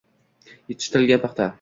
yetishtirilgan paxta